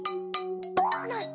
ない。